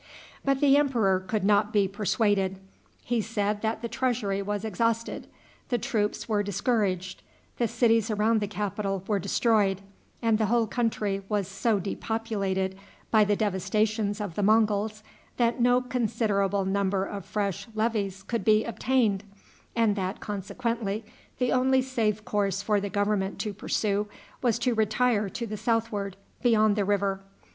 But the emperor could not be persuaded. He said that the treasury was exhausted, the troops were discouraged, the cities around the capital were destroyed, and the whole country was so depopulated by the devastations of the Monguls that no considerable number of fresh levies could be obtained; and that, consequently, the only safe course for the government to pursue was to retire to the southward, beyond the river.